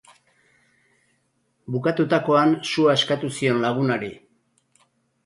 Bukatutakoan sua eskatu zion lagunari.